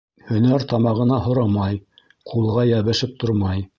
Һөнәр тамағына һорамай, ҡулға йәбешеп тормай.